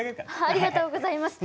ありがとうございます。